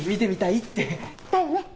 だよね？